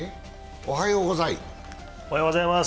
おはようござい。